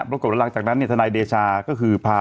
ปรากฏว่าหลังจากนั้นทนายเดชาก็คือพา